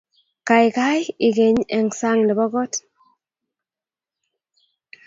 Kaikai igeny eng sang nebo kot